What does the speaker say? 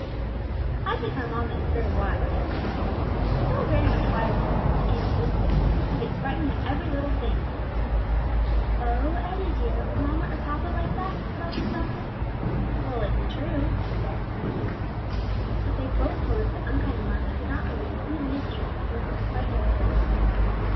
'" "I think our mamma is very wise," remarked Eddie; "so very much wiser than Aunt Lucy, who gets frightened at every little thing." "Oh, Eddie dear, would mamma or papa like that?" said Elsie softly. "Well, it's true," he said reddening. But they've both told us that unkind remarks should not be made even if true: unless it is quite necessary."